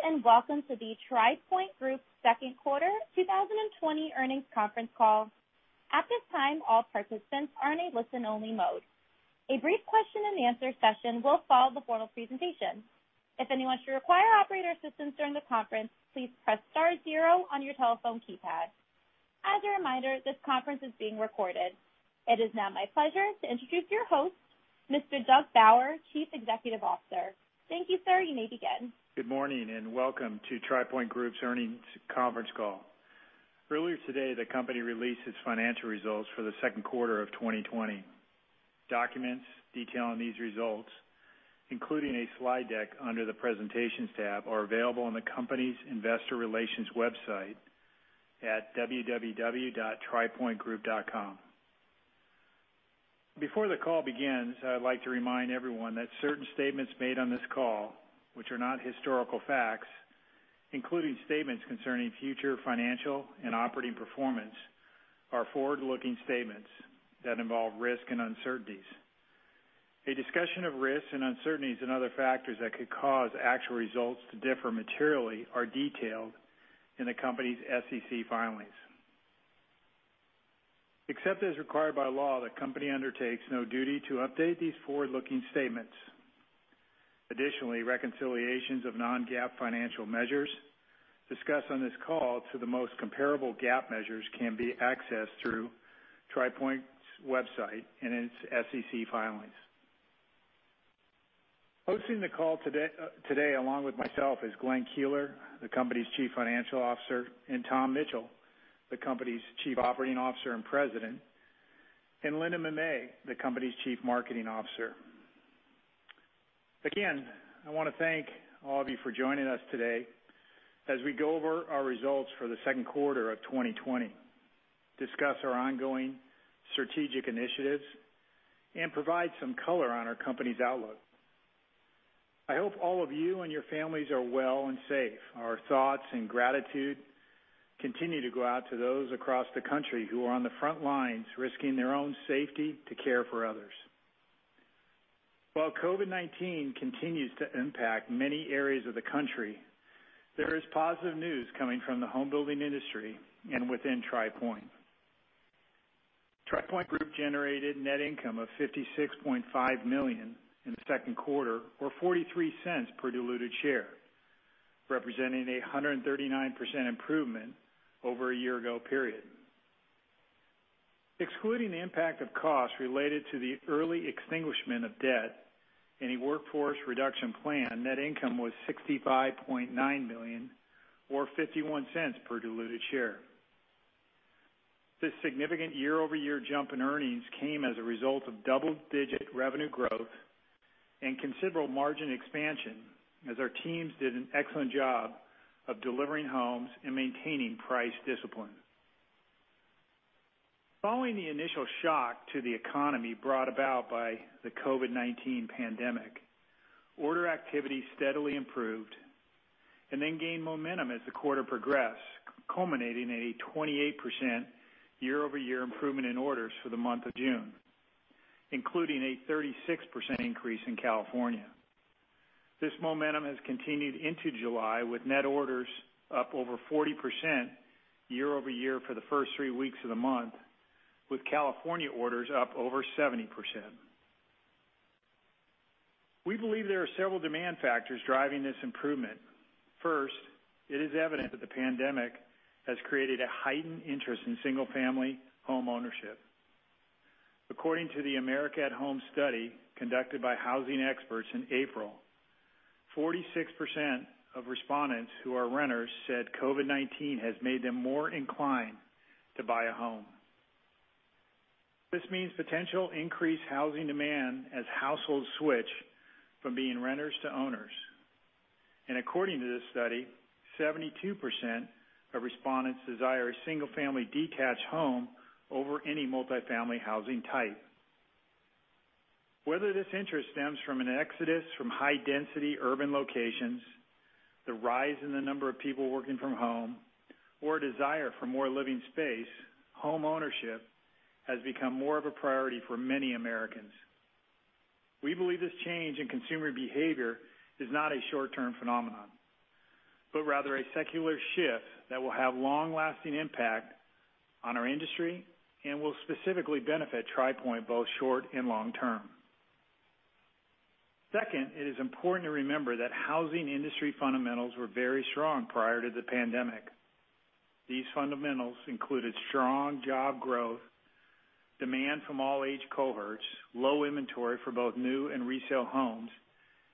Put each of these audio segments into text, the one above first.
Greetings, welcome to the Tri Pointe Group second quarter 2020 earnings conference call. At this time, all participants are in a listen-only mode. A brief question and answer session will follow the formal presentation. If anyone should require operator assistance during the conference, please press star zero on your telephone keypad. As a reminder, this conference is being recorded. It is now my pleasure to introduce your host, Mr. Doug Bauer, Chief Executive Officer. Thank you, sir. You may begin. Good morning, and welcome to TRI Pointe Group's earnings conference call. Earlier today, the company released its financial results for the second quarter of 2020. Documents detailing these results, including a slide deck under the Presentations tab, are available on the company's investor relations website at www.tripointegroup.com. Before the call begins, I'd like to remind everyone that certain statements made on this call, which are not historical facts, including statements concerning future financial and operating performance, are forward-looking statements that involve risk and uncertainties. A discussion of risks and uncertainties and other factors that could cause actual results to differ materially are detailed in the company's SEC filings. Except as required by law, the company undertakes no duty to update these forward-looking statements. Additionally, reconciliations of non-GAAP financial measures discussed on this call to the most comparable GAAP measures can be accessed through Tri Pointe's website and its SEC filings. Hosting the call today along with myself is Glenn Keeler, the company's Chief Financial Officer, and Tom Mitchell, the company's Chief Operating Officer and President, and Linda Mamet, the company's Chief Marketing Officer. Again, I want to thank all of you for joining us today as we go over our results for the second quarter of 2020, discuss our ongoing strategic initiatives, and provide some color on our company's outlook. I hope all of you and your families are well and safe. Our thoughts and gratitude continue to go out to those across the country who are on the front lines risking their own safety to care for others. While COVID-19 continues to impact many areas of the country, there is positive news coming from the home building industry and within Tri Pointe. Tri Pointe Group generated net income of $56.5 million in the second quarter, or $0.43 per diluted share, representing a 139% improvement over a year-ago period. Excluding the impact of costs related to the early extinguishment of debt and a workforce reduction plan, net income was $65.9 million or $0.51 per diluted share. This significant year-over-year jump in earnings came as a result of double-digit revenue growth and considerable margin expansion as our teams did an excellent job of delivering homes and maintaining price discipline. Following the initial shock to the economy brought about by the COVID-19 pandemic, order activity steadily improved and then gained momentum as the quarter progressed, culminating in a 28% year-over-year improvement in orders for the month of June, including a 36% increase in California. This momentum has continued into July with net orders up over 40% year-over-year for the first three weeks of the month, with California orders up over 70%. We believe there are several demand factors driving this improvement. First, it is evident that the pandemic has created a heightened interest in single-family homeownership. According to the America at Home study conducted by housing experts in April, 46% of respondents who are renters said COVID-19 has made them more inclined to buy a home. This means potential increased housing demand as households switch from being renters to owners. According to this study, 72% of respondents desire a single-family detached home over any multi-family housing type. Whether this interest stems from an exodus from high-density urban locations, the rise in the number of people working from home, or a desire for more living space, homeownership has become more of a priority for many Americans. We believe this change in consumer behavior is not a short-term phenomenon, but rather a secular shift that will have long-lasting impact on our industry and will specifically benefit Tri Pointe both short and long term. Second, it is important to remember that housing industry fundamentals were very strong prior to the pandemic. These fundamentals included strong job growth, demand from all age cohorts, low inventory for both new and resale homes,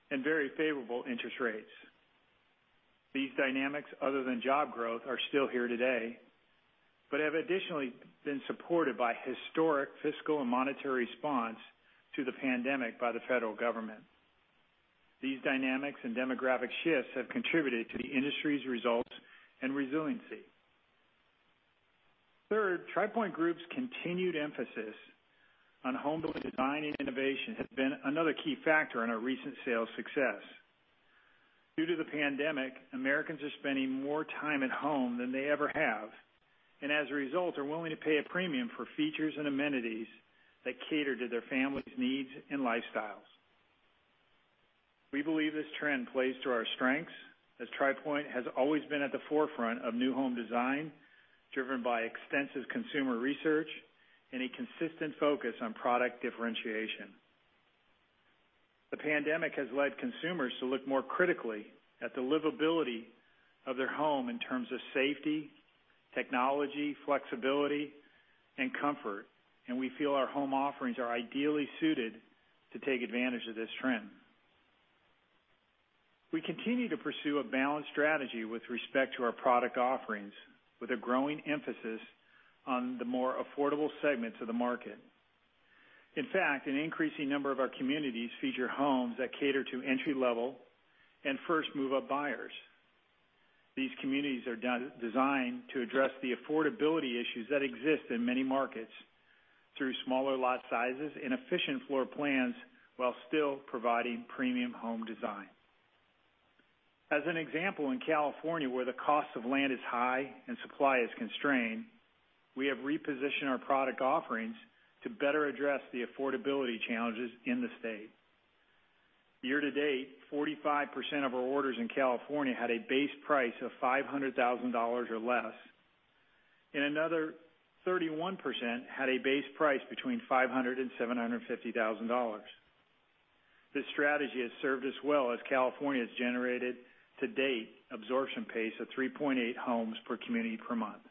and very favorable interest rates. These dynamics, other than job growth, are still here today, but have additionally been supported by historic fiscal and monetary response to the pandemic by the federal government. These dynamics and demographic shifts have contributed to the industry's results and resiliency. Third, Tri Pointe Group's continued emphasis on home building design and innovation has been another key factor in our recent sales success. Due to the pandemic, Americans are spending more time at home than they ever have, and as a result, are willing to pay a premium for features and amenities that cater to their family's needs and lifestyles. We believe this trend plays to our strengths, as Tri Pointe has always been at the forefront of new home design, driven by extensive consumer research and a consistent focus on product differentiation. The pandemic has led consumers to look more critically at the livability of their home in terms of safety, technology, flexibility, and comfort, and we feel our home offerings are ideally suited to take advantage of this trend. We continue to pursue a balanced strategy with respect to our product offerings, with a growing emphasis on the more affordable segments of the market. In fact, an increasing number of our communities feature homes that cater to entry-level and first-move-up buyers. These communities are designed to address the affordability issues that exist in many markets through smaller lot sizes and efficient floor plans while still providing premium home design. As an example, in California, where the cost of land is high and supply is constrained, we have repositioned our product offerings to better address the affordability challenges in the state. Year to date, 45% of our orders in California had a base price of $500,000 or less, and another 31% had a base price between $500,000 and $750,000. This strategy has served us well as California's generated to date absorption pace of 3.8 homes per community per month.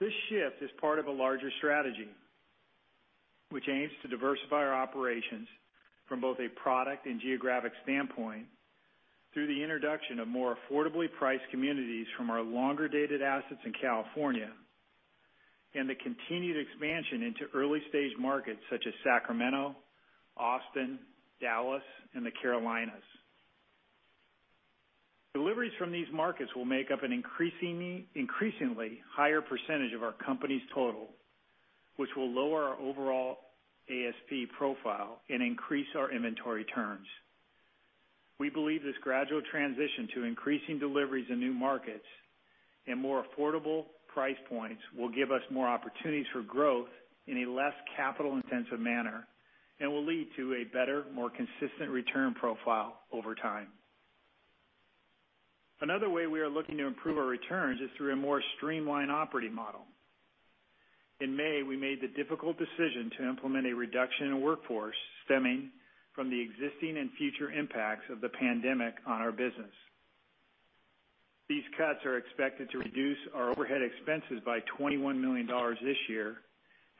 This shift is part of a larger strategy, which aims to diversify our operations from both a product and geographic standpoint through the introduction of more affordably priced communities from our longer-dated assets in California, and the continued expansion into early-stage markets such as Sacramento, Austin, Dallas, and the Carolinas. Deliveries from these markets will make up an increasingly higher % of our company's total, which will lower our overall ASP profile and increase our inventory turns. We believe this gradual transition to increasing deliveries in new markets and more affordable price points will give us more opportunities for growth in a less capital-intensive manner and will lead to a better, more consistent return profile over time. Another way we are looking to improve our returns is through a more streamlined operating model. In May, we made the difficult decision to implement a reduction in workforce stemming from the existing and future impacts of the pandemic on our business. These cuts are expected to reduce our overhead expenses by $21 million this year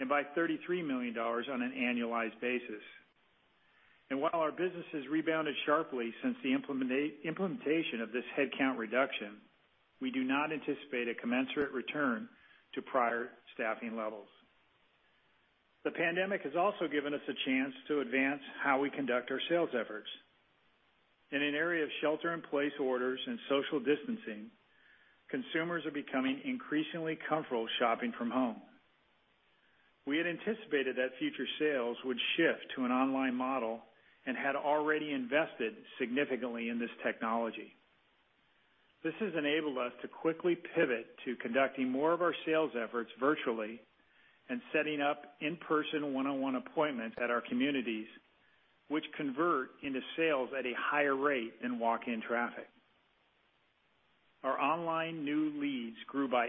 and by $33 million on an annualized basis. While our business has rebounded sharply since the implementation of this headcount reduction, we do not anticipate a commensurate return to prior staffing levels. The pandemic has also given us a chance to advance how we conduct our sales efforts. In an era of shelter in place orders and social distancing, consumers are becoming increasingly comfortable shopping from home. We had anticipated that future sales would shift to an online model and had already invested significantly in this technology. This has enabled us to quickly pivot to conducting more of our sales efforts virtually and setting up in-person one-on-one appointments at our communities, which convert into sales at a higher rate than walk-in traffic. Our online new leads grew by 8%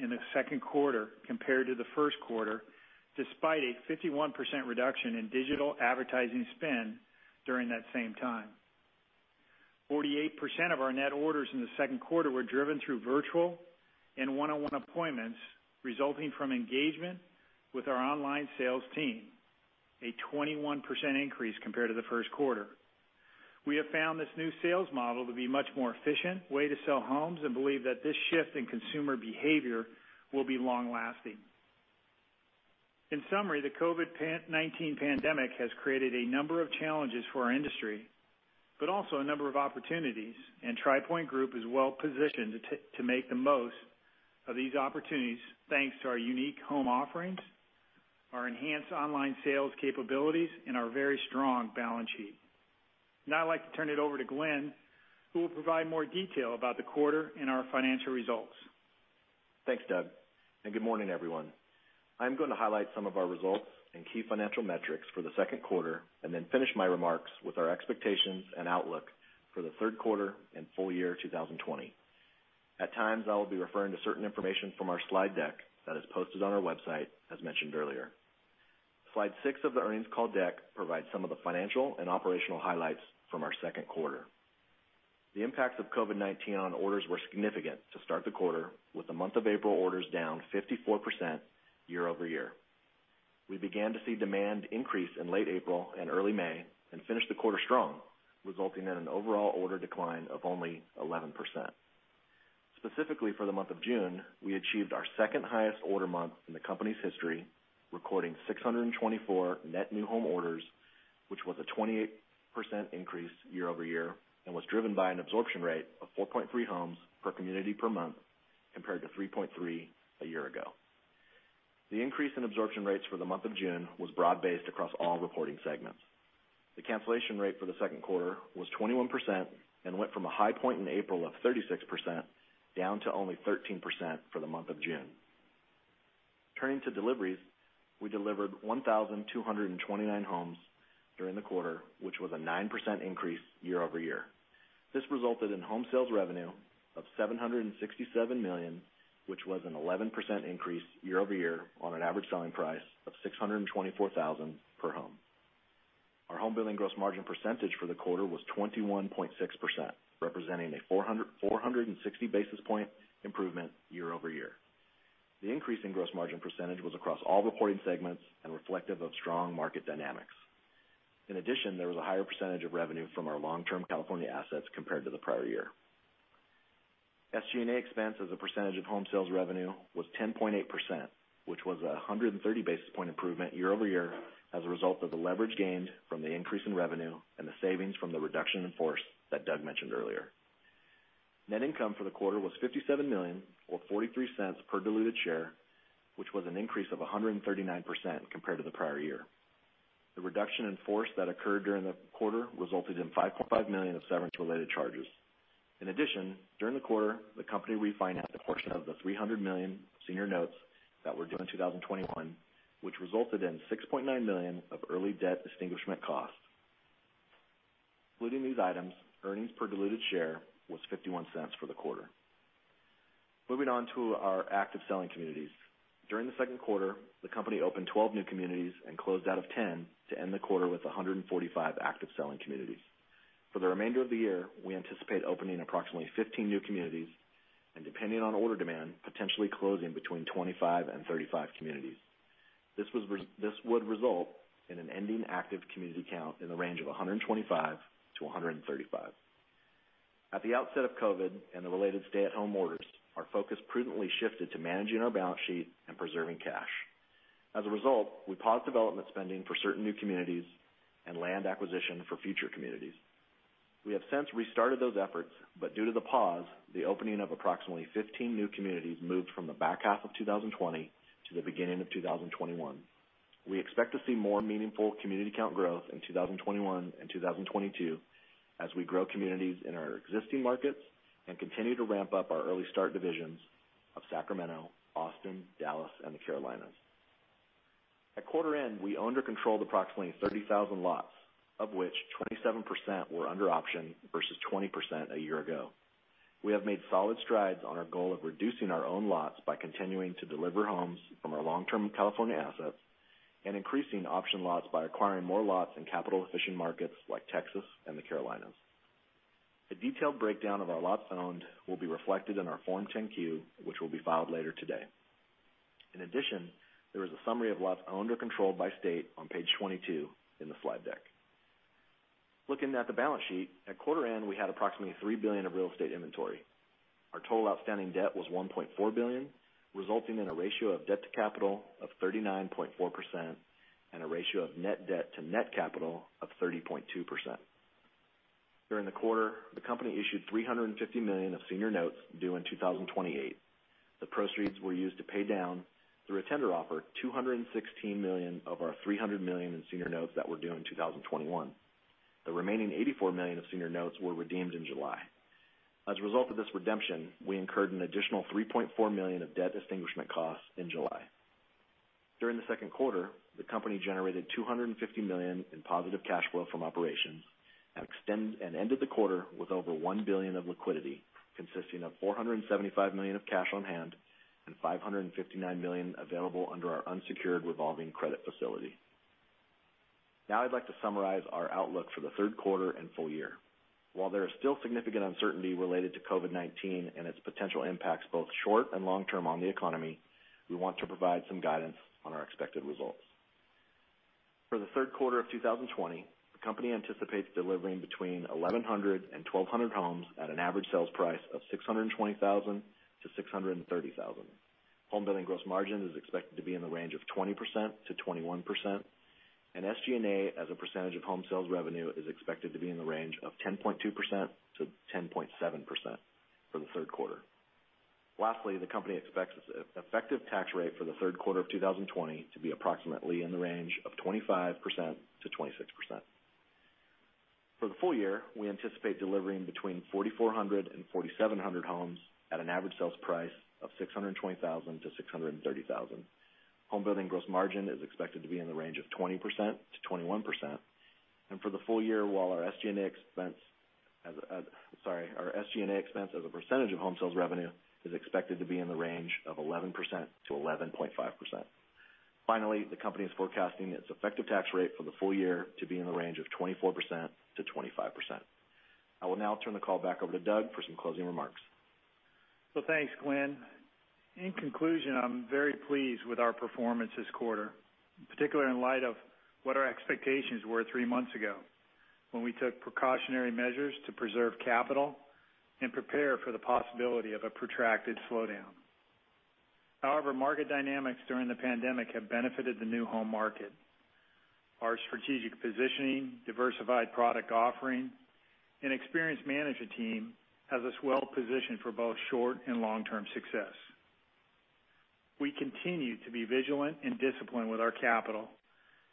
in the second quarter compared to the first quarter, despite a 51% reduction in digital advertising spend during that same time. 48% of our net orders in the second quarter were driven through virtual and one-on-one appointments resulting from engagement with our online sales team, a 21% increase compared to the first quarter. We have found this new sales model to be much more efficient way to sell homes and believe that this shift in consumer behavior will be long-lasting. In summary, the COVID-19 pandemic has created a number of challenges for our industry, but also a number of opportunities, and TRI Pointe Group is well positioned to make the most of these opportunities, thanks to our unique home offerings, our enhanced online sales capabilities, and our very strong balance sheet. Now I'd like to turn it over to Glenn, who will provide more detail about the quarter and our financial results. Thanks, Doug. Good morning, everyone. I'm going to highlight some of our results and key financial metrics for the second quarter, and then finish my remarks with our expectations and outlook for the third quarter and full year 2020. At times, I will be referring to certain information from our slide deck that is posted on our website, as mentioned earlier. Slide six of the earnings call deck provides some of the financial and operational highlights from our second quarter. The impacts of COVID-19 on orders were significant to start the quarter, with the month of April orders down 54% year-over-year. We began to see demand increase in late April and early May and finished the quarter strong, resulting in an overall order decline of only 11%. Specifically for the month of June, we achieved our second highest order month in the company's history, recording 624 net new home orders, which was a 28% increase year-over-year and was driven by an absorption rate of 4.3 homes per community per month compared to 3.3 a year ago. The increase in absorption rates for the month of June was broad-based across all reporting segments. The cancellation rate for the second quarter was 21% and went from a high point in April of 36%, down to only 13% for the month of June. Turning to deliveries, we delivered 1,229 homes during the quarter, which was a 9% increase year-over-year. This resulted in home sales revenue of $767 million, which was an 11% increase year-over-year on an average selling price of $624,000 per home. Our home building gross margin percentage for the quarter was 21.6%, representing a 460 basis point improvement year-over-year. The increase in gross margin percentage was across all reporting segments and reflective of strong market dynamics. In addition, there was a higher percentage of revenue from our long-term California assets compared to the prior year. SG&A expense as a percentage of home sales revenue was 10.8%, which was 130 basis point improvement year-over-year, as a result of the leverage gained from the increase in revenue and the savings from the reduction in force that Doug mentioned earlier. Net income for the quarter was $57 million or $0.43 per diluted share, which was an increase of 139% compared to the prior year. The reduction in force that occurred during the quarter resulted in $5.5 million of severance-related charges. In addition, during the quarter, the company refinanced a portion of the $300 million senior notes that were due in 2021, which resulted in $6.9 million of early debt extinguishment costs. Excluding these items, earnings per diluted share was $0.51 for the quarter. Moving on to our active selling communities. During the second quarter, the company opened 12 new communities and closed out of 10 to end the quarter with 145 active selling communities. For the remainder of the year, we anticipate opening approximately 15 new communities, and depending on order demand, potentially closing between 25 and 35 communities. This would result in an ending active community count in the range of 125 to 135. At the outset of COVID and the related stay-at-home orders, our focus prudently shifted to managing our balance sheet and preserving cash. As a result, we paused development spending for certain new communities and land acquisition for future communities. Due to the pause, the opening of approximately 15 new communities moved from the back half of 2020 to the beginning of 2021. We expect to see more meaningful community count growth in 2021 and 2022 as we grow communities in our existing markets and continue to ramp up our early start divisions of Sacramento, Austin, Dallas, and the Carolinas. At quarter end, we owned or controlled approximately 30,000 lots, of which 27% were under option versus 20% a year ago. We have made solid strides on our goal of reducing our own lots by continuing to deliver homes from our long-term California assets and increasing option lots by acquiring more lots in capital-efficient markets like Texas and the Carolinas. A detailed breakdown of our lots owned will be reflected in our Form 10-Q, which will be filed later today. In addition, there is a summary of lots owned or controlled by state on page 22 in the slide deck. Looking at the balance sheet, at quarter end, we had approximately $3 billion of real estate inventory. Our total outstanding debt was $1.4 billion, resulting in a ratio of debt to capital of 39.4% and a ratio of net debt to net capital of 30.2%. During the quarter, the company issued $350 million of senior notes due in 2028. The proceeds were used to pay down, through a tender offer, $216 million of our $300 million in senior notes that were due in 2021. The remaining $84 million of senior notes were redeemed in July. As a result of this redemption, we incurred an additional $3.4 million of debt extinguishment costs in July. During the second quarter, the company generated $250 million in positive cash flow from operations and ended the quarter with over $1 billion of liquidity, consisting of $475 million of cash on hand and $559 million available under our unsecured revolving credit facility. Now I'd like to summarize our outlook for the third quarter and full year. While there is still significant uncertainty related to COVID-19 and its potential impacts, both short and long-term on the economy, we want to provide some guidance on our expected results. For the third quarter of 2020, the company anticipates delivering between 1,100 and 1,200 homes at an average sales price of $620,000-$630,000. Home building gross margin is expected to be in the range of 20%-21%, SG&A as a percentage of home sales revenue is expected to be in the range of 10.2%-10.7% for the third quarter. Lastly, the company expects its effective tax rate for the third quarter of 2020 to be approximately in the range of 25%-26%. For the full year, we anticipate delivering between 4,400 and 4,700 homes at an average sales price of $620,000-$630,000. Home building gross margin is expected to be in the range of 20%-21%. For the full year, while our SG&A expense as a percentage of home sales revenue is expected to be in the range of 11%-11.5%. Finally, the company is forecasting its effective tax rate for the full year to be in the range of 24%-25%. I will now turn the call back over to Doug for some closing remarks. Thanks, Glenn. In conclusion, I'm very pleased with our performance this quarter, particularly in light of what our expectations were three months ago when we took precautionary measures to preserve capital and prepare for the possibility of a protracted slowdown. Market dynamics during the pandemic have benefited the new home market. Our strategic positioning, diversified product offering, and experienced management team has us well positioned for both short and long-term success. We continue to be vigilant and disciplined with our capital,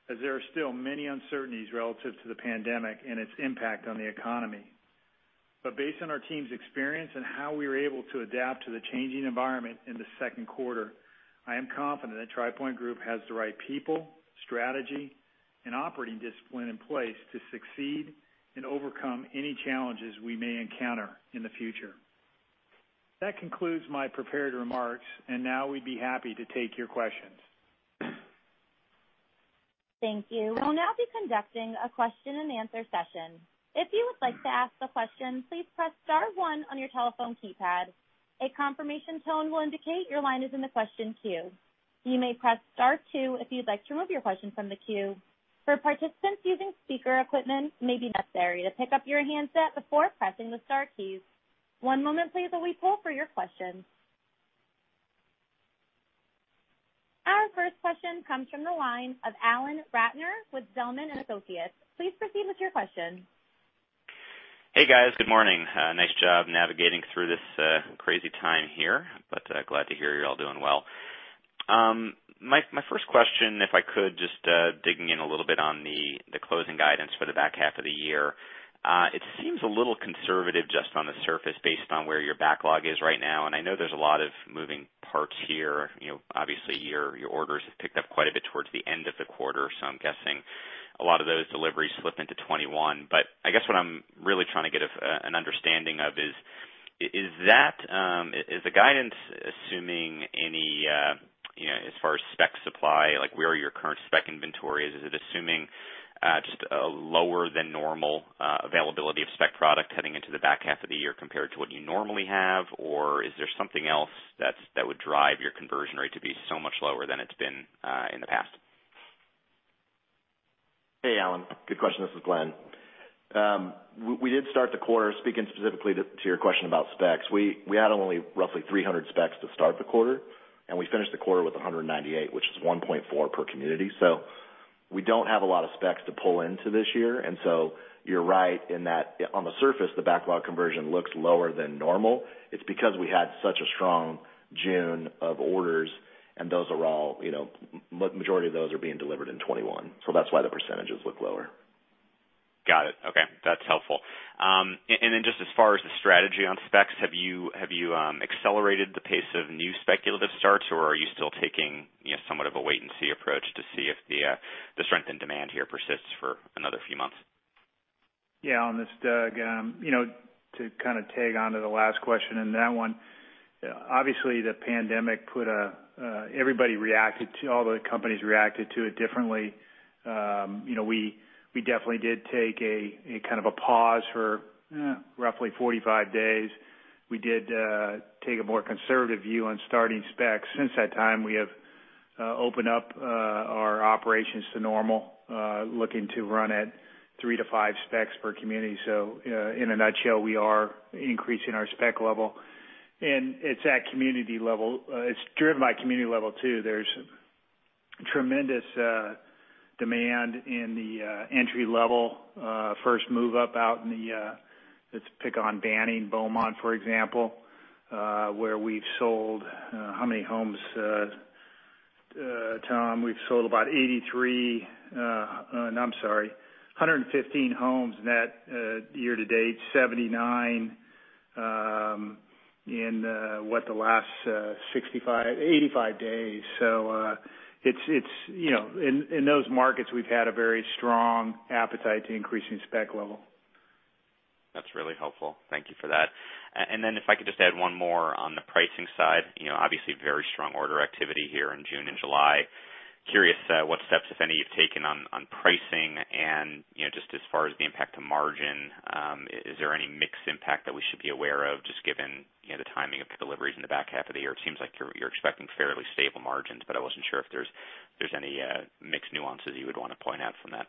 as there are still many uncertainties relative to the pandemic and its impact on the economy. Based on our team's experience and how we were able to adapt to the changing environment in the second quarter, I am confident that Tri Pointe Group has the right people, strategy, and operating discipline in place to succeed and overcome any challenges we may encounter in the future. That concludes my prepared remarks. Now we'd be happy to take your questions. Thank you. We'll now be conducting a question and answer session. If you would like to ask a question, please press star one on your telephone keypad. A confirmation tone will indicate your line is in the question queue. You may press star two if you'd like to remove your question from the queue. For participants using speaker equipment, it may be necessary to pick up your handset before pressing the star keys. One moment please while we poll for your questions. Our first question comes from the line of Alan Ratner with Zelman & Associates. Please proceed with your question. Hey, guys. Good morning. Nice job navigating through this crazy time here, but glad to hear you're all doing well. My first question, if I could, just digging in a little bit on the closing guidance for the back half of the year. It seems a little conservative just on the surface based on where your backlog is right now, and I know there's a lot of moving parts here. Obviously, your orders have picked up quite a bit towards the end of the quarter, so I'm guessing a lot of those deliveries slip into 2021. I guess what I'm really trying to get an understanding of is the guidance assuming any, as far as spec supply, like where your current spec inventory is? Is it assuming just a lower than normal availability of spec product heading into the back half of the year compared to what you normally have? Is there something else that would drive your conversion rate to be so much lower than it's been in the past? Hey, Alan. Good question. This is Glenn. We did start the quarter, speaking specifically to your question about specs. We had only roughly 300 specs to start the quarter, and we finished the quarter with 198, which is 1.4 per community. We don't have a lot of specs to pull into this year, you're right in that, on the surface, the backlog conversion looks lower than normal. It's because we had such a strong June of orders, and those are all, the majority of those are being delivered in 2021. That's why the percentages look lower. Got it. Okay. That's helpful. Just as far as the strategy on specs, have you accelerated the pace of new speculative starts, or are you still taking somewhat of a wait and see approach to see if the strength in demand here persists for another few months? This is Doug. To kind of tag onto the last question and that one, obviously the pandemic, everybody reacted to, all the companies reacted to it differently. We definitely did take a kind of a pause for roughly 45 days. We did take a more conservative view on starting specs. Since that time, we have opened up our operations to normal, looking to run at three to five specs per community. In a nutshell, we are increasing our spec level, and it's at community level. It's driven by community level, too. There's tremendous demand in the entry level, first move up out in the, let's pick on Banning Beaumont, for example, where we've sold, how many homes, Tom? We've sold about 83, no, I'm sorry, 115 homes net year to date, 79 in, what? The last 65, 85 days. In those markets, we've had a very strong appetite to increasing spec level. That's really helpful. Thank you for that. If I could just add one more on the pricing side. Obviously, very strong order activity here in June and July. Curious what steps, if any, you've taken on pricing and just as far as the impact to margin. Is there any mix impact that we should be aware of, just given the timing of deliveries in the back half of the year? It seems like you're expecting fairly stable margins, but I wasn't sure if there's any mix nuances you would want to point out from that.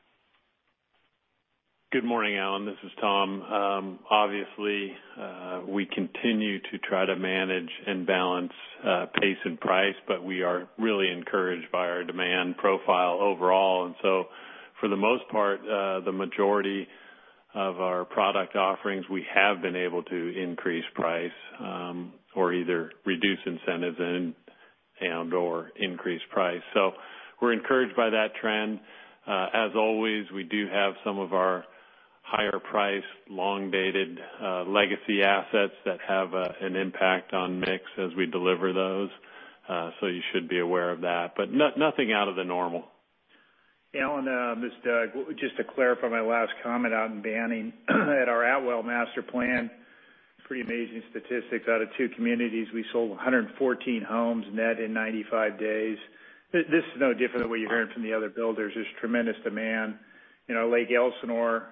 Good morning, Alan. This is Tom. Obviously, we continue to try to manage and balance pace and price, but we are really encouraged by our demand profile overall. For the most part, the majority of our product offerings, we have been able to increase price or either reduce incentives and/or increase price. We're encouraged by that trend. As always, we do have some of our higher priced, long-dated legacy assets that have an impact on mix as we deliver those. You should be aware of that, but nothing out of the normal. Alan, this is Doug. Just to clarify my last comment on Banning. At our Atwell master plan, pretty amazing statistics. Out of two communities, we sold 114 homes net in 95 days. This is no different than what you're hearing from the other builders. There's tremendous demand. Lake Elsinore,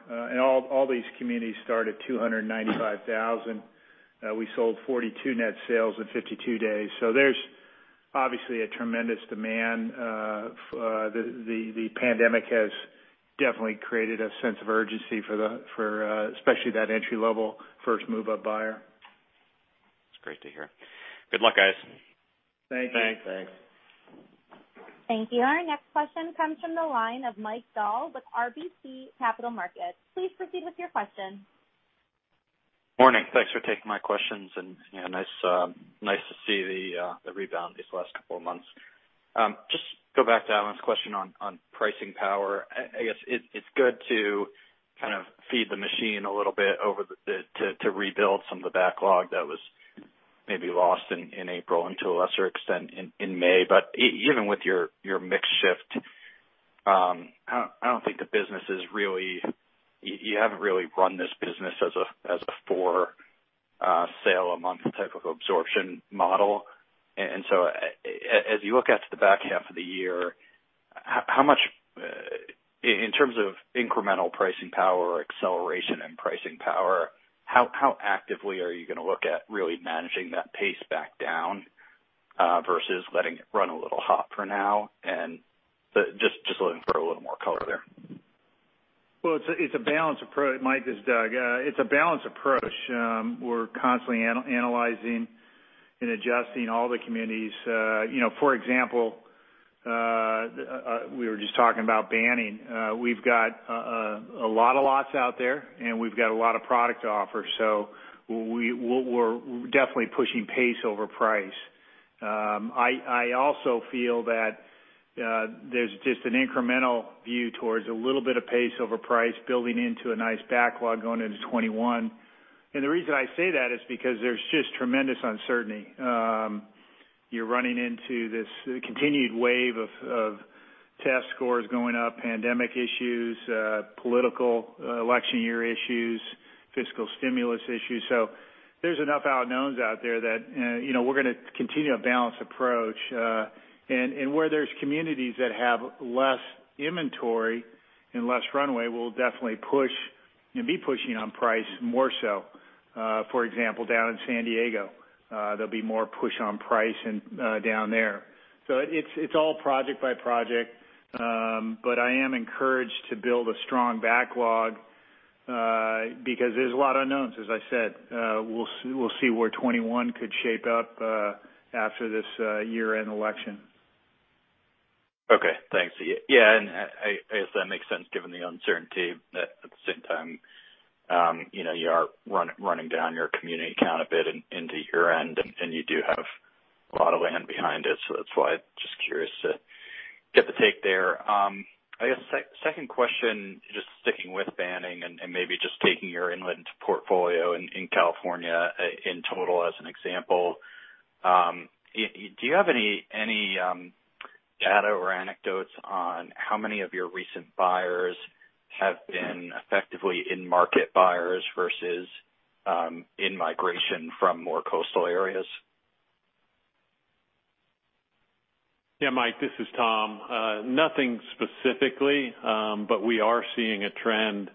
all these communities start at $295,000. We sold 42 net sales in 52 days. There's obviously a tremendous demand. The pandemic has definitely created a sense of urgency, especially that entry level first move-up buyer. It's great to hear. Good luck, guys. Thank you. Thanks. Thank you. Our next question comes from the line of Mike Dahl with RBC Capital Markets. Please proceed with your question. Morning. Thanks for taking my questions. Nice to see the rebound these last couple of months. Just go back to Alan's question on pricing power. I guess it's good to kind of feed the machine a little bit to rebuild some of the backlog that was maybe lost in April and to a lesser extent in May. Even with your mix shift, you haven't really run this business as a four sale a month type of absorption model. As you look out to the back half of the year, in terms of incremental pricing power, acceleration, and pricing power, how actively are you going to look at really managing that pace back down versus letting it run a little hot for now? Just looking for a little more color there. Well, it's a balanced approach, Mike. This is Doug. It's a balanced approach. We're constantly analyzing and adjusting all the communities. For example, we were just talking about Banning. We've got a lot of lots out there, and we've got a lot of product to offer. We're definitely pushing pace over price. I also feel that there's just an incremental view towards a little bit of pace over price building into a nice backlog going into 2021. The reason I say that is because there's just tremendous uncertainty. You're running into this continued wave of test scores going up, pandemic issues, political election year issues, fiscal stimulus issues. There's enough unknowns out there that we're going to continue a balanced approach. Where there's communities that have less inventory and less runway, we'll definitely push and be pushing on price more so. For example, down in San Diego, there'll be more push on price down there. It's all project by project. I am encouraged to build a strong backlog because there's a lot of unknowns, as I said. We'll see where 2021 could shape up after this year-end election. Okay, thanks. Yeah, I guess that makes sense given the uncertainty. At the same time, you are running down your community count a bit into year-end, and you do have a lot of land behind it. That's why just curious to get the take there. I guess second question, just sticking with Banning and maybe just taking your inland portfolio in California in total as an example. Do you have any data or anecdotes on how many of your recent buyers have been effectively in-market buyers versus in-migration from more coastal areas? Yeah, Mike, this is Tom. Nothing specifically, but we are seeing a trend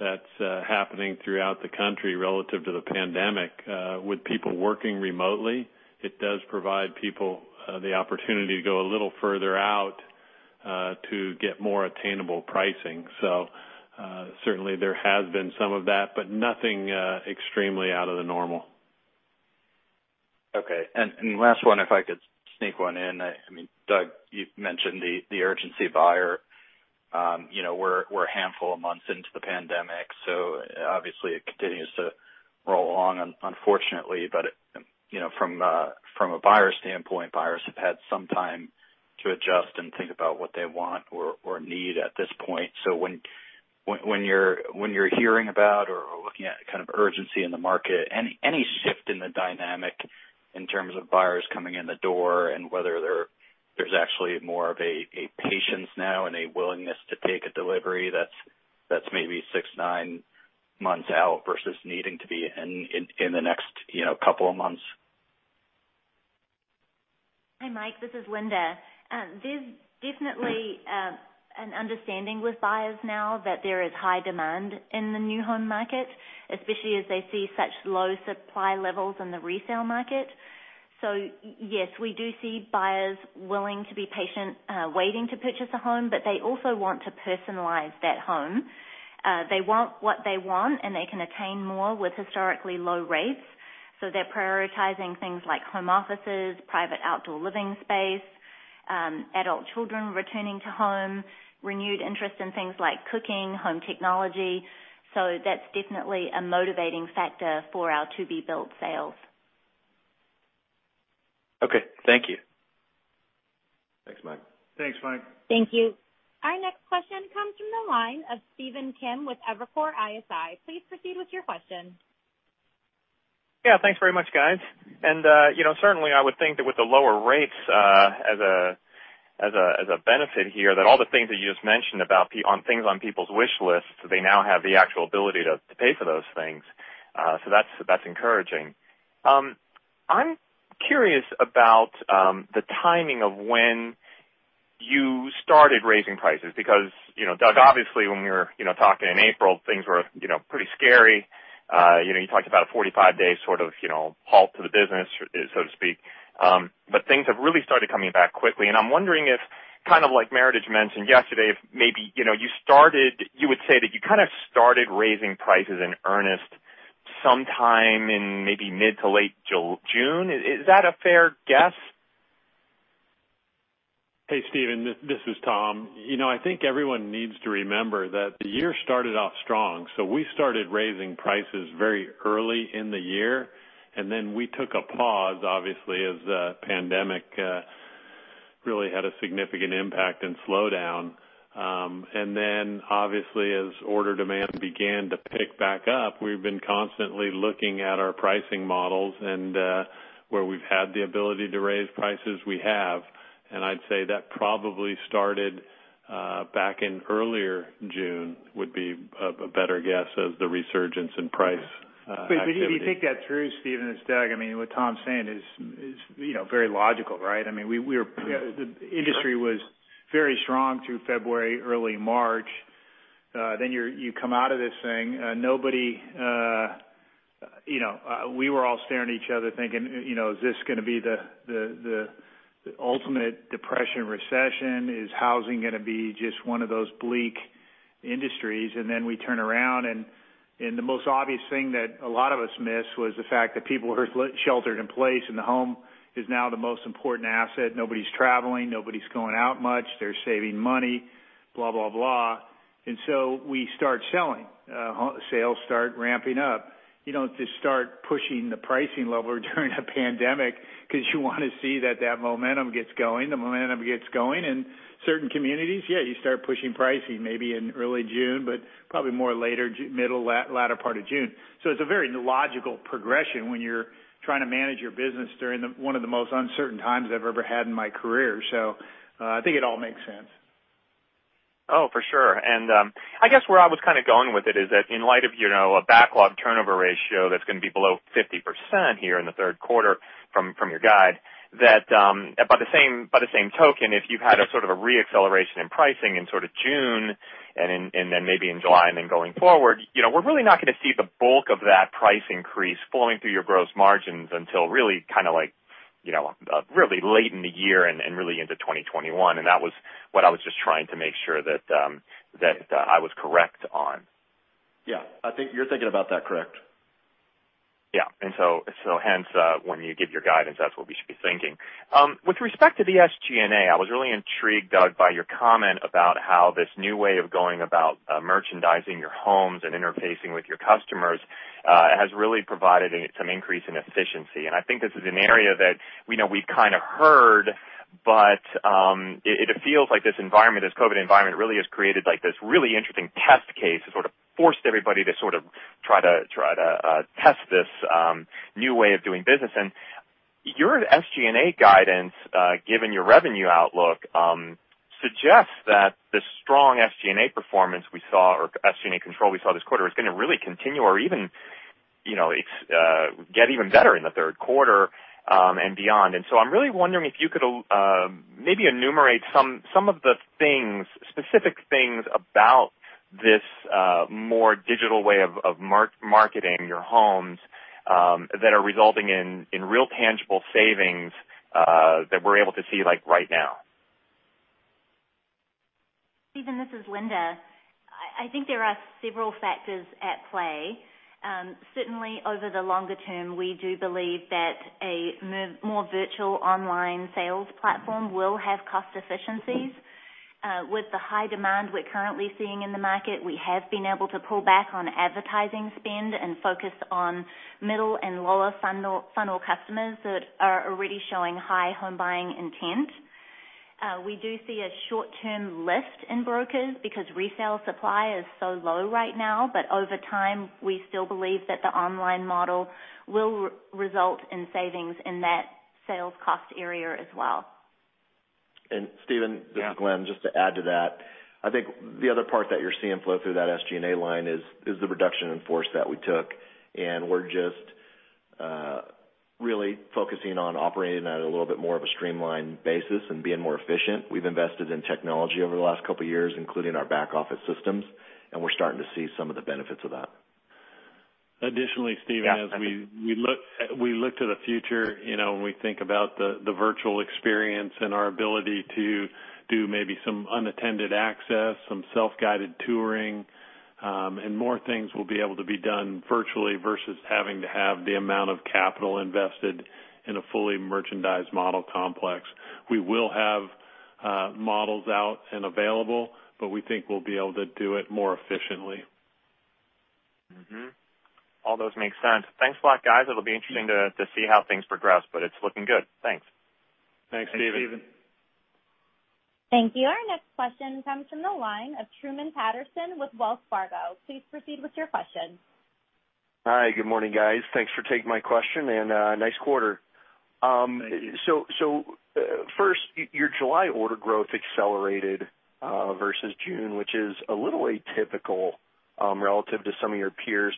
that's happening throughout the country relative to the pandemic. With people working remotely, it does provide people the opportunity to go a little further out to get more attainable pricing. Certainly there has been some of that, but nothing extremely out of the normal. Okay. Last one, if I could sneak one in. I mean, Doug, you've mentioned the urgency buyer. We're a handful of months into the pandemic, so obviously it continues to roll along, unfortunately. From a buyer standpoint, buyers have had some time to adjust and think about what they want or need at this point. When you're hearing about or looking at kind of urgency in the market, any shift in the dynamic in terms of buyers coming in the door and whether there's actually more of a patience now and a willingness to take a delivery that's maybe six to nine months out versus needing to be in the next couple of months? Hi, Mike, this is Linda. There's definitely an understanding with buyers now that there is high demand in the new home market, especially as they see such low supply levels in the resale market. Yes, we do see buyers willing to be patient, waiting to purchase a home, but they also want to personalize that home. They want what they want, and they can attain more with historically low rates. They're prioritizing things like home offices, private outdoor living space, adult children returning to home, renewed interest in things like cooking, home technology. That's definitely a motivating factor for our to-be-built sales. Okay, thank you. Thanks, Mike. Thanks, Mike. Thank you. Our next question comes from the line of Stephen Kim with Evercore ISI. Please proceed with your question. Thanks very much, guys. Certainly I would think that with the lower rates as a benefit here, that all the things that you just mentioned about things on people's wish lists, they now have the actual ability to pay for those things. That's encouraging. I'm curious about the timing of when you started raising prices because, Doug, obviously when we were talking in April, things were pretty scary. You talked about a 45-day sort of halt to the business, so to speak. Things have really started coming back quickly, and I'm wondering if, kind of like Meritage mentioned yesterday, you would say that you kind of started raising prices in earnest sometime in maybe mid to late June. Is that a fair guess? Hey, Stephen, this is Tom. We started raising prices very early in the year, then we took a pause, obviously, as the pandemic really had a significant impact and slowdown. Then, obviously, as order demand began to pick back up, we've been constantly looking at our pricing models and where we've had the ability to raise prices, we have. I'd say that probably started back in earlier June, would be a better guess of the resurgence in price activity. If you think that through, Stephen, it's Doug. What Tom's saying is very logical, right? The industry was very strong through February, early March. You come out of this thing. We were all staring at each other thinking, "Is this going to be the ultimate depression, recession? Is housing going to be just one of those bleak industries?" We turn around, and the most obvious thing that a lot of us missed was the fact that people were sheltered in place, and the home is now the most important asset. Nobody's traveling. Nobody's going out much. They're saving money, blah, blah. We start selling. Sales start ramping up. You don't just start pushing the pricing lever during a pandemic because you want to see that that momentum gets going. The momentum gets going in certain communities. Yeah, you start pushing pricing maybe in early June, probably more later, middle, latter part of June. It's a very logical progression when you're trying to manage your business during one of the most uncertain times I've ever had in my career. I think it all makes sense. Oh, for sure. I guess where I was kind of going with it is that in light of a backlog turnover ratio that's going to be below 50% here in the third quarter from your guide, that by the same token, if you've had a sort of a re-acceleration in pricing in sort of June and then maybe in July and then going forward, we're really not going to see the bulk of that price increase flowing through your gross margins until really kind of late in the year and really into 2021. That was what I was just trying to make sure that I was correct on. Yeah. I think you're thinking about that correct. Yeah. Hence, when you give your guidance, that's what we should be thinking. With respect to the SG&A, I was really intrigued, Doug, by your comment about how this new way of going about merchandising your homes and interfacing with your customers has really provided some increase in efficiency. I think this is an area that we know we kind of heard, but it feels like this COVID environment really has created this really interesting test case. It sort of forced everybody to sort of try to test this new way of doing business. Your SG&A guidance, given your revenue outlook, suggests that the strong SG&A performance we saw, or SG&A control we saw this quarter, is going to really continue or even get even better in the third quarter and beyond. I'm really wondering if you could maybe enumerate some of the specific things about this more digital way of marketing your homes that are resulting in real tangible savings that we're able to see right now. Stephen, this is Linda. I think there are several factors at play. Certainly, over the longer term, we do believe that a more virtual online sales platform will have cost efficiencies. With the high demand we're currently seeing in the market, we have been able to pull back on advertising spend and focus on middle and lower funnel customers that are already showing high home buying intent. We do see a short-term lift in brokers because resale supply is so low right now. Over time, we still believe that the online model will result in savings in that sales cost area as well. Stephen- Yeah. This is Glenn. Just to add to that, I think the other part that you're seeing flow through that SG&A line is the reduction in force that we took, and we're just really focusing on operating at a little bit more of a streamlined basis and being more efficient. We've invested in technology over the last couple of years, including our back-office systems, and we're starting to see some of the benefits of that. Additionally, Stephen. Yeah. As we look to the future, when we think about the virtual experience and our ability to do maybe some unattended access, some self-guided touring, and more things will be able to be done virtually versus having to have the amount of capital invested in a fully merchandised model complex. We will have models out and available. We think we'll be able to do it more efficiently. All those make sense. Thanks a lot, guys. It'll be interesting to see how things progress, but it's looking good. Thanks. Thanks, Stephen. Thanks, Stephen. Thank you. Our next question comes from the line of Truman Patterson with Wells Fargo. Please proceed with your question. Hi. Good morning, guys. Thanks for taking my question, and nice quarter. Thank you. First, your July order growth accelerated versus June, which is a little atypical relative to some of your peers.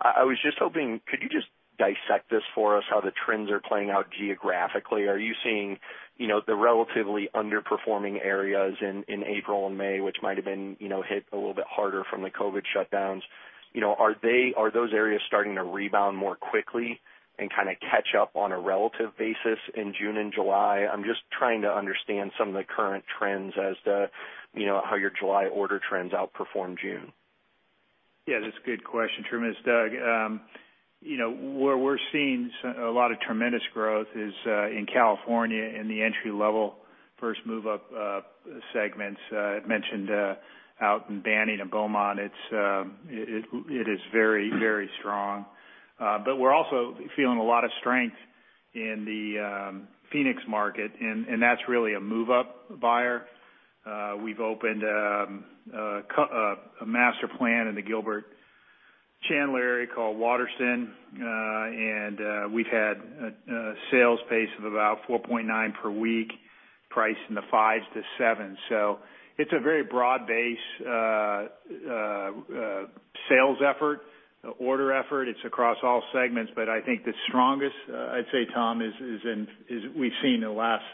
I was just hoping, could you just dissect this for us, how the trends are playing out geographically? Are you seeing the relatively underperforming areas in April and May, which might have been hit a little bit harder from the COVID-19 shutdowns? Are those areas starting to rebound more quickly and kind of catch up on a relative basis in June and July? I'm just trying to understand some of the current trends as to how your July order trends outperformed June. Yeah, that's a good question, Truman. It's Doug. Where we're seeing a lot of tremendous growth is in California in the entry-level first move-up segments. I mentioned out in Banning and Beaumont, it is very strong. We're also feeling a lot of strength in the Phoenix market, and that's really a move-up buyer. We've opened a master plan in the Gilbert/Chandler area called Waterston, and we've had a sales pace of about 4.9 per week, priced in the fives to seven. It's a very broad-based sales effort, order effort. It's across all segments. I think the strongest, I'd say, Tom, we've seen in the last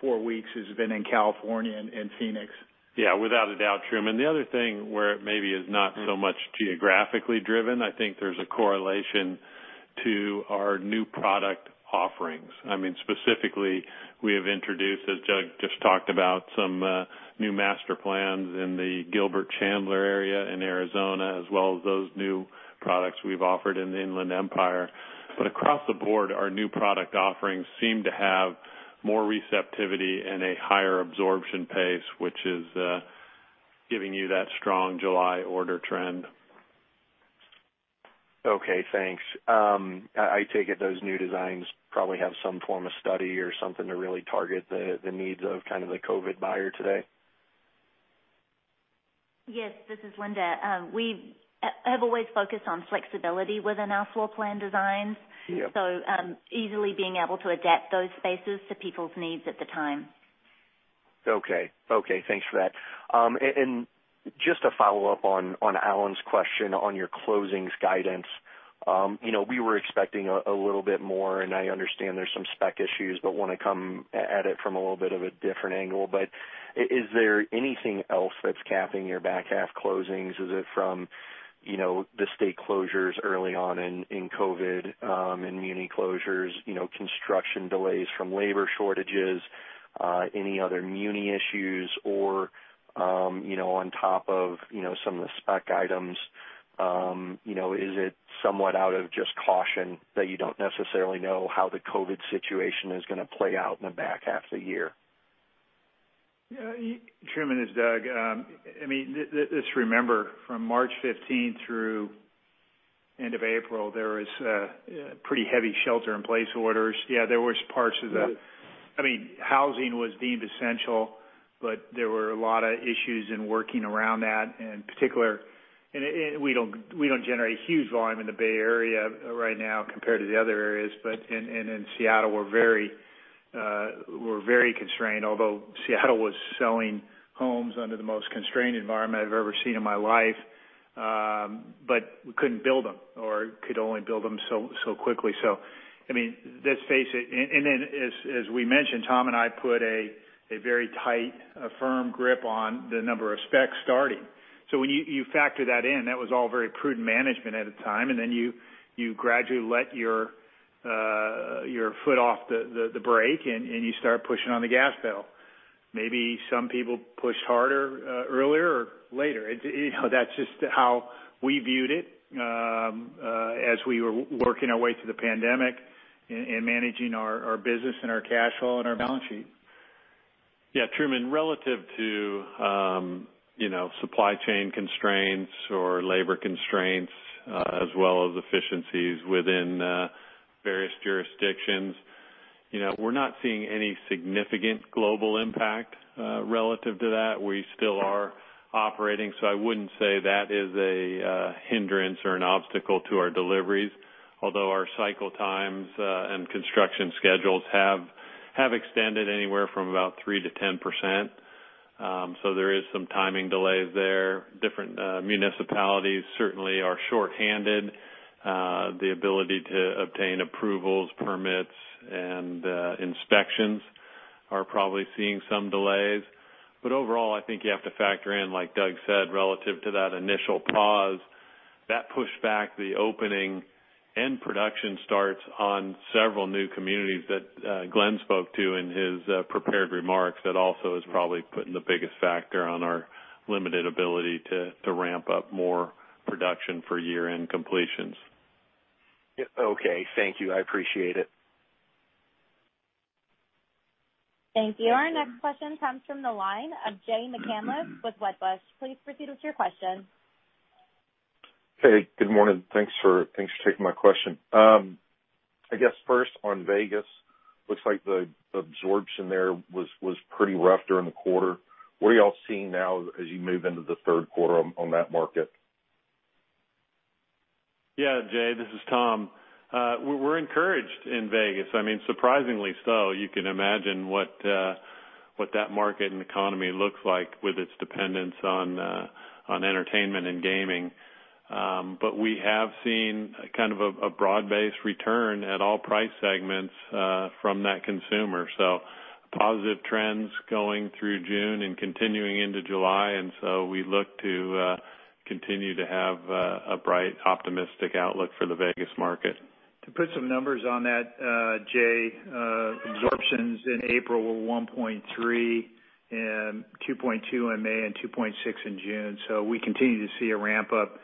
four weeks, has been in California and Phoenix. Yeah, without a doubt, Truman. The other thing where it maybe is not so much geographically driven, I think there's a correlation to our new product offerings. Specifically, we have introduced, as Doug just talked about, some new master plans in the Gilbert/Chandler area in Arizona, as well as those new products we've offered in the Inland Empire. Across the board, our new product offerings seem to have more receptivity and a higher absorption pace, which is giving you that strong July order trend. Okay, thanks. I take it those new designs probably have some form of study or something to really target the needs of the COVID buyer today. Yes, this is Linda. We have alw ays focused on flexibility within our floor plan designs. Yep. Easily being able to adapt those spaces to people's needs at the time. Okay. Thanks for that. Just to follow up on Alan's question on your closings guidance. We were expecting a little bit more, and I understand there's some spec issues, but want to come at it from a little bit of a different angle. Is there anything else that's capping your back half closings? Is it from the state closures early on in COVID, and muni closures, construction delays from labor shortages, any other muni issues or, on top of some of the spec items, is it somewhat out of just caution that you don't necessarily know how the COVID situation is going to play out in the back half of the year? Yeah. Truman, it's Doug. Just remember, from March 15 through end of April, there was pretty heavy shelter-in-place orders. Yeah. Housing was deemed essential, there were a lot of issues in working around that. In particular, we don't generate huge volume in the Bay Area right now compared to the other areas. In Seattle, we're very constrained, although Seattle was selling homes under the most constrained environment I've ever seen in my life. We couldn't build them or could only build them so quickly. Let's face it, as we mentioned, Tom and I put a very tight, firm grip on the number of specs starting. When you factor that in, that was all very prudent management at the time, you gradually let your foot off the brake, you start pushing on the gas pedal. Maybe some people push harder earlier or later. That's just how we viewed it as we were working our way through the pandemic and managing our business and our cash flow and our balance sheet. Yeah, Truman, relative to supply chain constraints or labor constraints, as well as efficiencies within various jurisdictions. We're not seeing any significant global impact relative to that. We still are operating, so I wouldn't say that is a hindrance or an obstacle to our deliveries. Our cycle times and construction schedules have extended anywhere from about 3% to 10%. There is some timing delays there. Different municipalities certainly are shorthanded. The ability to obtain approvals, permits, and inspections are probably seeing some delays. Overall, I think you have to factor in, like Doug said, relative to that initial pause, that pushed back the opening and production starts on several new communities that Glenn spoke to in his prepared remarks. That also is probably putting the biggest factor on our limited ability to ramp up more production for year-end completions. Okay. Thank you. I appreciate it. Thank you. Our next question comes from the line of Jay McCanless with Wedbush. Please proceed with your question. Hey, good morning. Thanks for taking my question. I guess first on Vegas, looks like the absorption there was pretty rough during the quarter. What are you all seeing now as you move into the third quarter on that market? Yeah, Jay, this is Tom. We're encouraged in Vegas. Surprisingly so. You can imagine what that market and economy looks like with its dependence on entertainment and gaming. We have seen kind of a broad-based return at all price segments from that consumer. Positive trends going through June and continuing into July, and so we look to continue to have a bright, optimistic outlook for the Vegas market. To put some numbers on that, Jay, absorptions in April were 1.3, and 2.2 in May, and 2.6 in June. We continue to see a ramp up,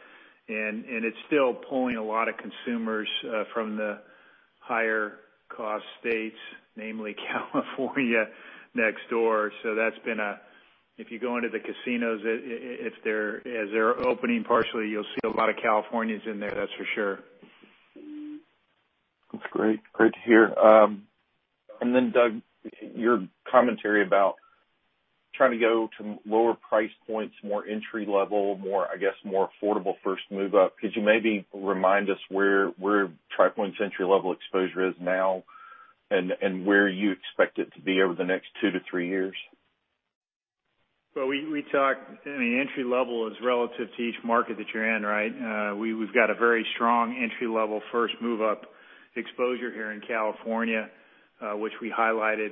and it's still pulling a lot of consumers from the higher cost states, namely California next door. If you go into the casinos, as they're opening partially, you'll see a lot of Californians in there, that's for sure. That's great. Great to hear. Doug, your commentary about trying to go to lower price points, more entry level, I guess, more affordable first move up. Could you maybe remind us where Tri Pointe's entry level exposure is now, and where you expect it to be over the next two to three years? Well, we talked, the entry level is relative to each market that you're in, right? We've got a very strong entry level first move up exposure here in California, which we highlighted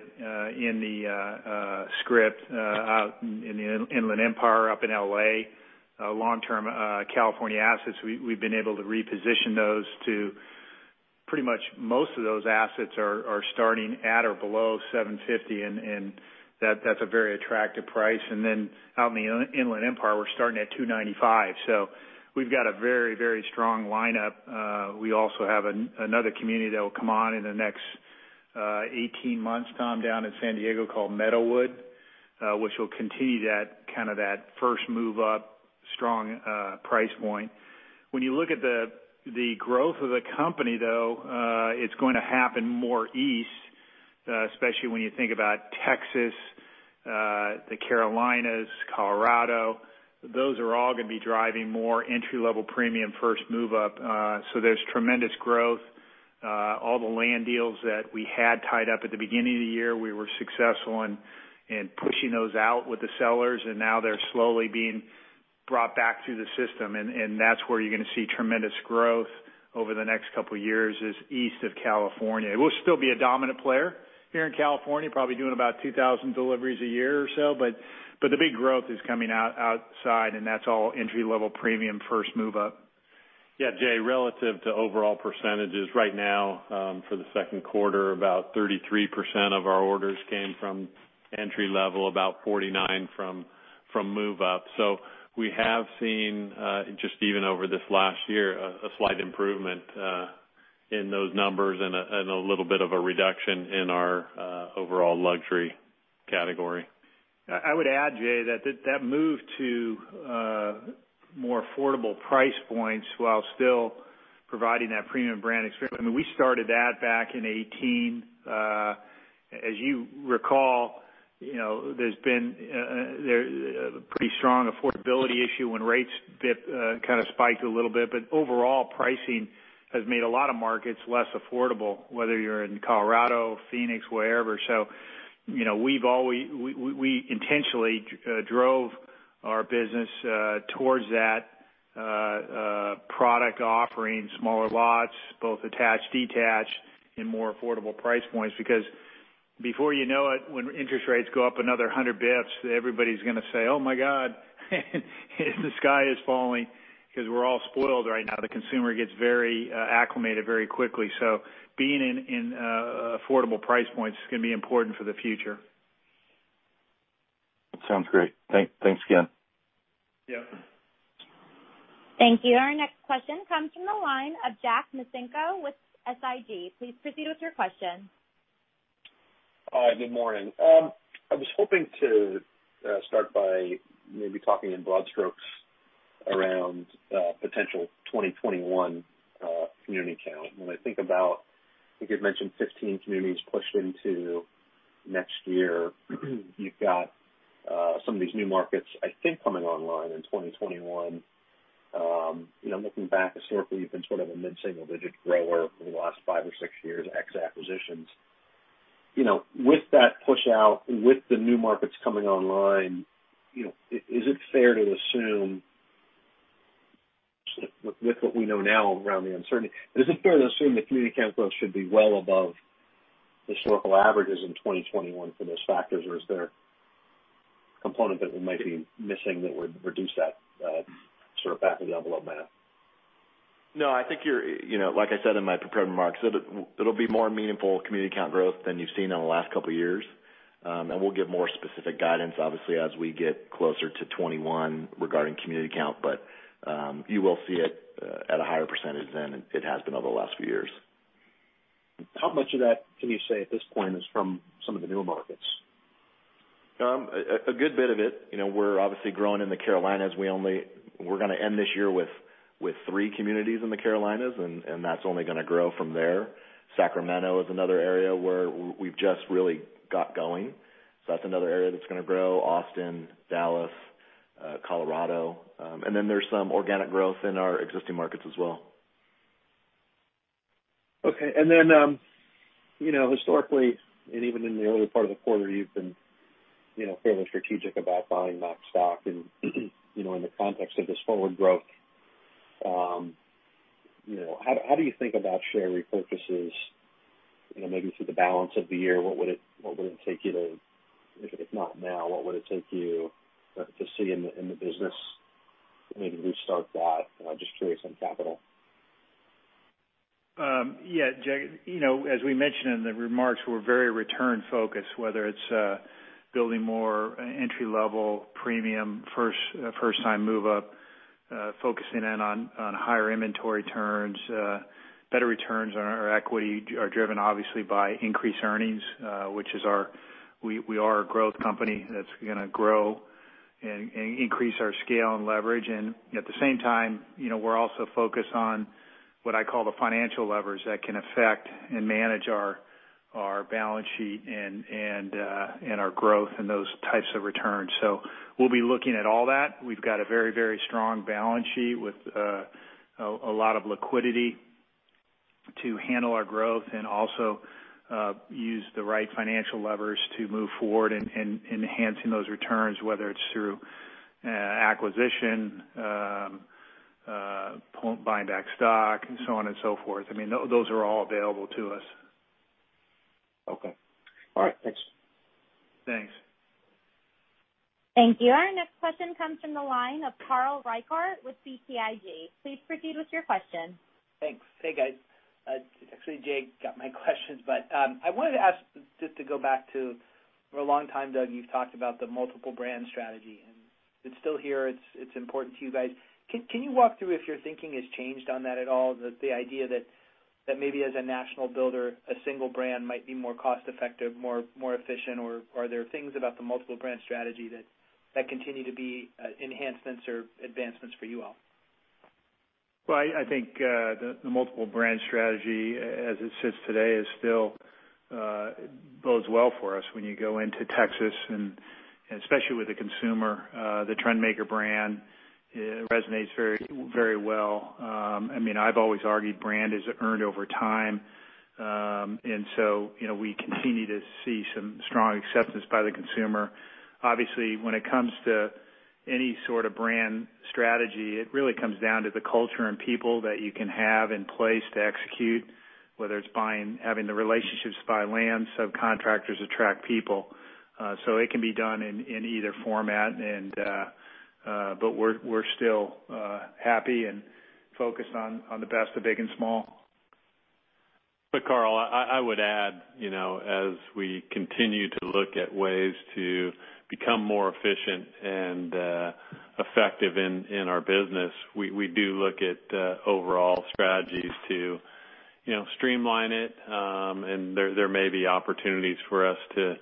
in the script out in the Inland Empire up in L.A. Long-term California assets, we've been able to reposition those to pretty much most of those assets are starting at or below $750, and that's a very attractive price. Out in the Inland Empire, we're starting at $295. We've got a very strong lineup. We also have another community that will come on in the next 18 months, Tom, down in San Diego called Meadowood, which will continue that kind of first move up strong price point. When you look at the growth of the company, though, it's going to happen more east. Especially when you think about Texas, the Carolinas, Colorado. Those are all going to be driving more entry level premium first move up. There's tremendous growth. All the land deals that we had tied up at the beginning of the year, we were successful in pushing those out with the sellers, and now they're slowly being brought back to the system. That's where you're going to see tremendous growth over the next couple of years, is east of California. We'll still be a dominant player here in California, probably doing about 2,000 deliveries a year or so, but the big growth is coming outside, and that's all entry level premium first move up. Yeah, Jay, relative to overall percentages right now, for the second quarter, about 33% of our orders came from entry level, about 49% from move up. We have seen, just even over this last year, a slight improvement in those numbers and a little bit of a reduction in our overall luxury category. I would add, Jay, that move to more affordable price points while still providing that premium brand experience, I mean, we started that back in 2018. As you recall, there's been a pretty strong affordability issue when rates kind of spiked a little bit. Overall, pricing has made a lot of markets less affordable, whether you're in Colorado, Phoenix, wherever. We intentionally drove our business towards that product offering, smaller lots, both attached, detached, and more affordable price points. Before you know it, when interest rates go up another 100 basis points, everybody's going to say, "Oh my God, the sky is falling." We're all spoiled right now. The consumer gets very acclimated very quickly. Being in affordable price points is going to be important for the future. That sounds great. Thanks again. Yeah. Thank you. Our next question comes from the line of Jack Micenko with SIG. Please proceed with your question. Hi, good morning. I was hoping to start by maybe talking in broad strokes around potential 2021 community count. I think you'd mentioned 15 communities pushed into next year. You've got some of these new markets, I think, coming online in 2021. Looking back historically, you've been sort of a mid-single digit grower for the last five or six years, ex-acquisitions. With that push out, with the new markets coming online, is it fair to assume with what we know now around the uncertainty, is it fair to assume the community count growth should be well above historical averages in 2021 for those factors? Or is there a component that we might be missing that would reduce that sort of back-of-the-envelope math? No, like I said in my prepared remarks, it'll be more meaningful community count growth than you've seen in the last couple of years. We'll give more specific guidance, obviously, as we get closer to 2021 regarding community count. You will see it at a higher percentage than it has been over the last few years. How much of that can you say at this point is from some of the newer markets? A good bit of it. We're obviously growing in the Carolinas. We're going to end this year with three communities in the Carolinas. That's only going to grow from there. Sacramento is another area where we've just really got going, so that's another area that's going to grow. Austin, Dallas, Colorado. There's some organic growth in our existing markets as well. Okay. Historically, and even in the early part of the quarter, you've been fairly strategic about buying back stock and in the context of this forward growth, how do you think about share repurchases, maybe through the balance of the year, if not now? What would it take you to see in the business to maybe restart that? Just curious on capital. Jack, as we mentioned in the remarks, we're very return-focused, whether it's building more entry-level premium, first-time move up, focusing in on higher inventory turns. Better returns on our equity are driven, obviously, by increased earnings, which we are a growth company that's going to grow and increase our scale and leverage. At the same time, we're also focused on what I call the financial levers that can affect and manage our balance sheet and our growth and those types of returns. We'll be looking at all that. We've got a very, very strong balance sheet with a lot of liquidity to handle our growth and also use the right financial levers to move forward in enhancing those returns, whether it's through acquisition, buying back stock, and so on and so forth. Those are all available to us. Okay. All right. Thanks. Thanks. Thank you. Our next question comes from the line of Carl Reichardt with BTIG. Please proceed with your question. Thanks. Hey, guys. It's actually Jack got my questions, but I wanted to ask, just to go back to, for a long time, Doug, you've talked about the multiple brand strategy, and it's still here. It's important to you guys. Can you walk through if your thinking has changed on that at all? The idea that maybe as a national builder, a single brand might be more cost-effective, more efficient, or are there things about the multiple brand strategy that continue to be enhancements or advancements for you all? I think, the multiple brand strategy as it sits today still bodes well for us. When you go into Texas, and especially with the consumer, the Trendmaker brand resonates very well. I've always argued brand is earned over time. We continue to see some strong acceptance by the consumer. Obviously, when it comes to any sort of brand strategy, it really comes down to the culture and people that you can have in place to execute, whether it's having the relationships to buy land, subcontractors, attract people. It can be done in either format, but we're still happy and focused on the best of big and small. Carl, I would add, as we continue to look at ways to become more efficient and effective in our business, we do look at overall strategies to streamline it. There may be opportunities for us to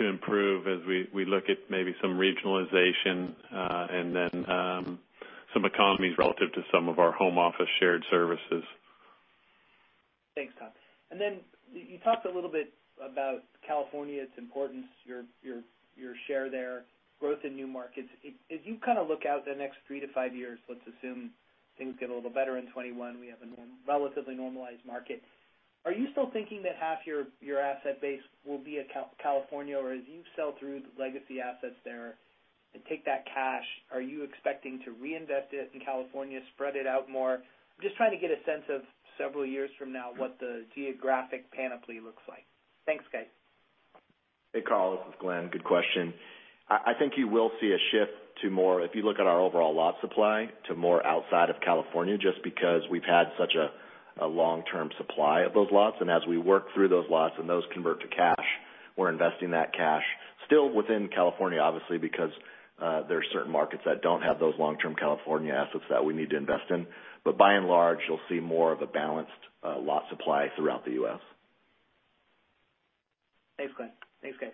improve as we look at maybe some regionalization, and then some economies relative to some of our home office shared services. Thanks, Tom. You talked a little bit about California, its importance, your share there, growth in new markets. As you look out the next three to five years, let's assume things get a little better in 2021, we have a relatively normalized market. Are you still thinking that half your asset base will be at California, or as you sell through the legacy assets there and take that cash, are you expecting to reinvest it in California, spread it out more? I'm just trying to get a sense of several years from now, what the geographic panoply looks like. Thanks, guys. Hey, Carl, this is Glenn. Good question. I think you will see a shift to more, if you look at our overall lot supply to more outside of California, just because we've had such a long-term supply of those lots, and as we work through those lots and those convert to cash, we're investing that cash still within California, obviously, because there are certain markets that don't have those long-term California assets that we need to invest in. By and large, you'll see more of a balanced lot supply throughout the U.S. Thanks, Glenn. Thanks, guys.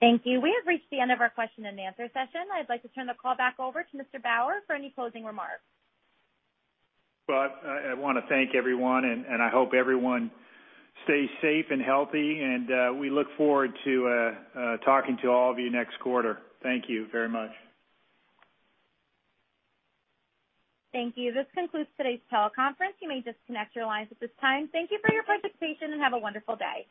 Thank you. We have reached the end of our question and answer session. I'd like to turn the call back over to Mr. Bauer for any closing remarks. I want to thank everyone, and I hope everyone stays safe and healthy, and we look forward to talking to all of you next quarter. Thank you very much. Thank you. This concludes today's teleconference. You may disconnect your lines at this time. Thank you for your participation and have a wonderful day.